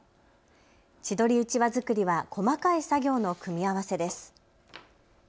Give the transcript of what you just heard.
千鳥うちわ作りは細かい作業の組み合わせです。